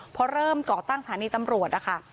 พอเริ่มก่อตั้งสถานีตำรวจนะคะ